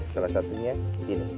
salah satunya ini di sini teman teman